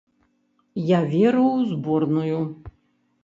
Я веру ў зборную.